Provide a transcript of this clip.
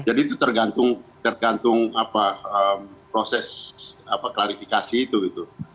itu tergantung proses klarifikasi itu gitu